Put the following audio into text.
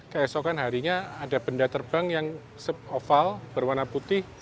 keesokan harinya ada benda terbang yang oval berwarna putih